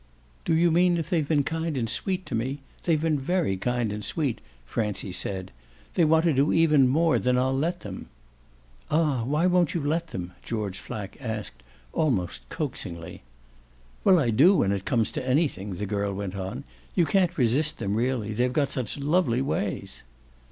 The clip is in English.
"Do you mean if they've been kind and sweet to me? They've been very kind and sweet," Francie mid. "They want to do even more than I'll let them." "Ah why won't you let them?" George Flack asked almost coaxingly. "Well, I do, when it comes to anything," the girl went on. "You can't resist them really; they've got such lovely ways."